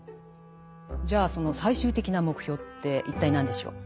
じゃあその最終的な目標って一体何でしょう？